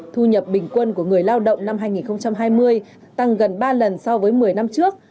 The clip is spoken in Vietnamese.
thu nhập bình quân của người lao động năm hai nghìn hai mươi tăng gần ba lần so với một mươi năm trước